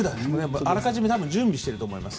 あらかじめ準備していると思います。